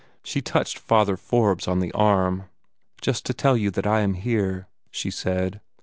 She touched Father Forbes on the arm. "Just to tell you that I am here," she said.